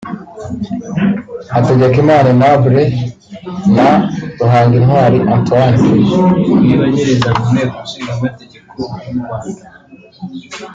Hategekimana Aimable na Ruhangintwari Antoine